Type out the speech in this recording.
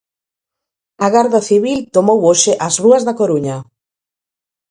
A Garda Civil tomou hoxe as rúas da Coruña.